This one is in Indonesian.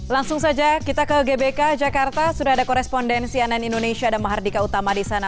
langsung saja kita ke gbk jakarta sudah ada korespondensi ann indonesia dan mahardika utama di sana